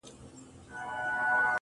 لـــكــه ښـــه اهـنـــگ~